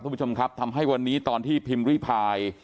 คุณผู้ชมครับทำให้วันนี้ตอนที่พิมพ์ริพาย